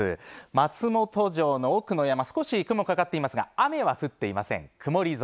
松本城の奥の山少し雲かかっていますが雨は降っていません。